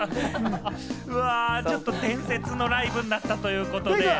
ちょっと伝説のライブになったということで。